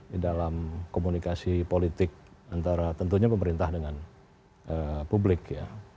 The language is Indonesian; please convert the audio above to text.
di dalam komunikasi politik antara tentunya pemerintah dengan publik ya